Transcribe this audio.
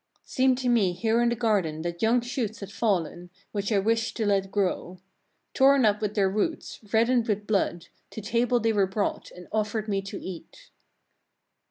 39. "Seemed to me here in the garden that young shoots had fallen, which I wished to let grow: torn up with their roots, reddened with blood, to table they were brought, and offered me to eat.